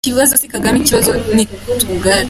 Ikibazo si Kagame ikibazo nitwe ubwacu.